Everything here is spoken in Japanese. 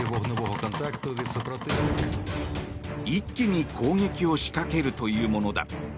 一気に攻撃を仕掛けるというものだ。